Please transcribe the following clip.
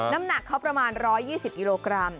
น้ำหนักเขาประมาณ๑๒๐กิโลกรัม